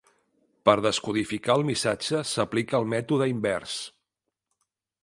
Per descodificar el missatge, s'aplica el mètode invers.